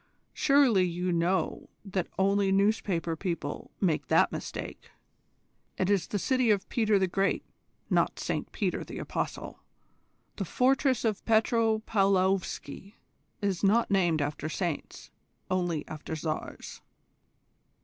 Surely you know that only newspaper people make that mistake. It is the city of Peter the Great, not Saint Peter the apostle. The fortress of Petro paulovsky is not named after saints only after Tsars."